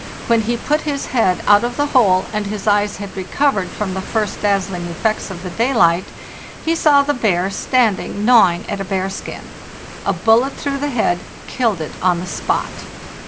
When he put his head out of the hole, and his eyes had recovered from the first dazzling effects of the daylight, he saw the bear standing gnawing at a bear skin. A bullet through the head killed it on the spot.